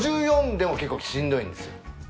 ５４でも結構しんどいんですよ。